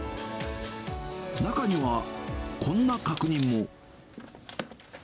中には、こんな確認も。